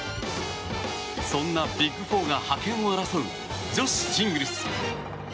そんなビッグ４が覇権を争う女子シングルス。